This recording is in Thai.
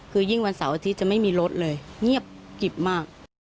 คือยิ่งวันเสาร์อาทิตย์จะไม่มีรถเลยเงียบกิบมาก